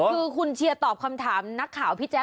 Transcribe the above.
คือคุณเชียร์ตอบคำถามนักข่าวพี่แจ๊